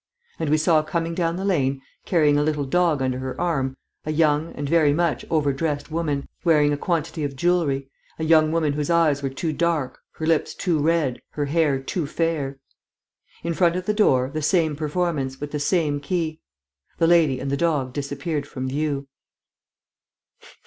And we saw coming down the lane, carrying a little dog under her arm, a young and very much over dressed woman, wearing a quantity of jewellery, a young woman whose eyes were too dark, her lips too red, her hair too fair. In front of the door, the same performance, with the same key.... The lady and the dog disappeared from view.